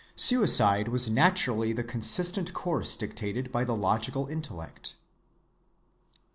Suicide was naturally the consistent course dictated by the logical intellect.